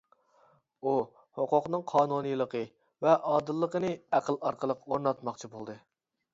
ئۇ ھوقۇقنىڭ قانۇنىيلىقى ۋە ئادىللىقىنى ئەقىل ئارقىلىق ئورناتماقچى بولىدۇ.